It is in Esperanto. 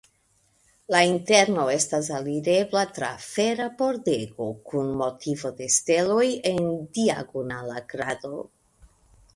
La interno estas alirebla tra fera pordego kun motivo de steloj en diagonala krado.